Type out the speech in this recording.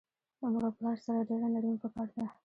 د مور او پلار سره ډیره نرمی پکار ده